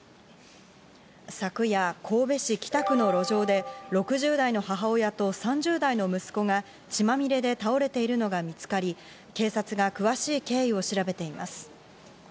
昨夜、神戸市北区の路上で６０代の母親と３０代の息子が血まみれで倒れているのが見つかり、警察が詳しい経緯を調べています。